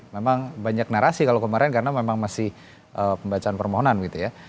memang banyak narasi kalau kemarin karena memang masih pembacaan permohonan gitu ya